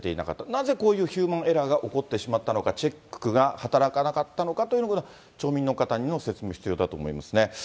なぜ、こういうヒューマンエラーが起こってしまったのか、チェックが働かなかったのかというのを町民の方に説明必要だと思いますね。